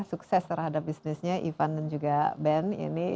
sukses terhadap bisnisnya ivan dan juga ben